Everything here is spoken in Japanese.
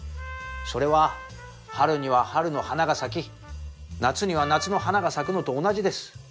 それは春には春の花が咲き夏には夏の花が咲くのと同じです。